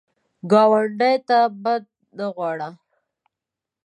ګاونډي ته بد نه غواړه